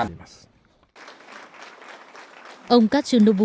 ông katsunobu kato tránh văn phòng nội các nhật bản và việt nam đang phát triển hết sức mạnh mẽ